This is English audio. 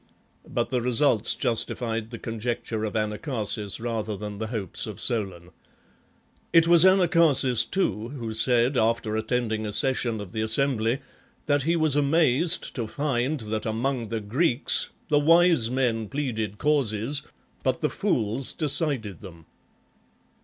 But the results justified the conjecture of Anacharsis rather than the hopes of Solon. It was Anacharsis, too, who said, after attending a session of the assembly, that he was amazed to find that among the Greeks, the wise men pleaded causes, but the fools decided them.